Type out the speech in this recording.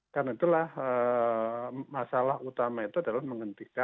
karena itulah masalah utama itu adalah menghentikan